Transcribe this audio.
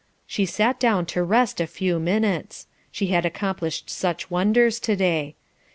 She sat down to rest a few minutes, she had accomplished such wonders to day.